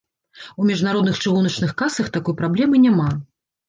У міжнародных чыгуначных касах такой праблемы няма.